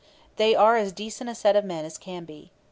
They are as decent a set of men as can be.